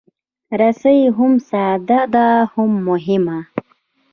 رسۍ هم ساده ده، هم مهمه.